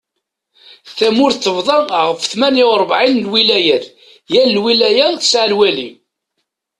Tamurt tebḍa ɣef tmanya urebɛin n lwilayat, yal lwilaya tesɛa lwali.